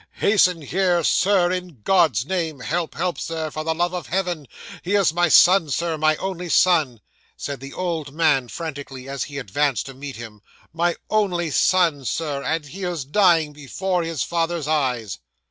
'"Hasten here, Sir, in God's name; help, help, sir, for the love of Heaven. He is my son, Sir, my only son!" said the old man frantically, as he advanced to meet him. "My only son, Sir, and he is dying before his father's eyes!"